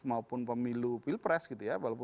maupun pemilu pilpres gitu ya